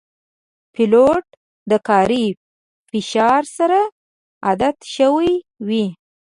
پیلوټ د کاري فشار سره عادت شوی وي.